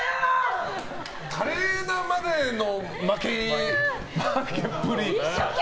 華麗なまでの負けっぷり。